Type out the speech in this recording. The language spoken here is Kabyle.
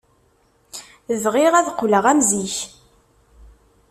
Bɣiɣ ad qqleɣ am zik.